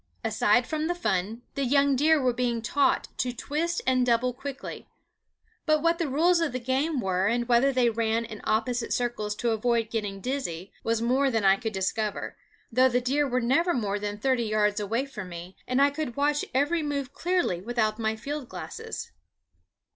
Aside from the fun, the young deer were being taught to twist and double quickly; but what the rules of the game were, and whether they ran in opposite circles to avoid getting dizzy, was more than I could discover, though the deer were never more than thirty yards away from me and I could watch every move clearly without my field glasses.